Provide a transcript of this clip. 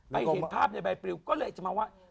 เห็นภาพในใบปริวก็เลยจะมาว่า